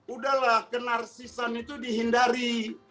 udah lah kenarsisan itu dihindari